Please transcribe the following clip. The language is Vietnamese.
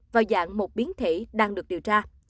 vào dạng một biến thể đang được điều tra